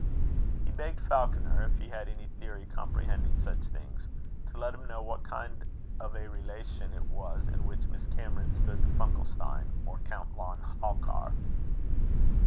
He begged Falconer, if he had any theory comprehending such things, to let him know what kind of a relation it was, in which Miss Cameron stood to Funkelstein, or Count von Halkar.